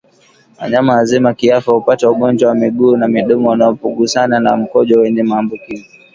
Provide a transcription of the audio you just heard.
Wanyama wazima kiafya hupata ugonjwa wa miguu na midomo wanapogusana na mkojo wenye maambukizi